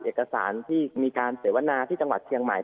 เอกสารที่มีการเสวนาที่จังหวัดเชียงใหม่